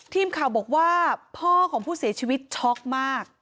ทีมข่าวบอกว่าพ่อของผู้เสียชีวิตช็อกมาก